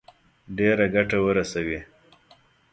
ډېره ګټه ورسوي.